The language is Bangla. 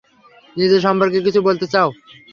নিজের সম্পর্কে কিছু বলতে চাও?